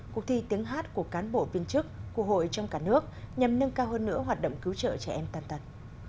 cuộc thi tiếng hát của cán bộ viên chức của hội trong cả nước nhằm nâng cao hơn nữa hoạt động cứu trợ trẻ em tàn tật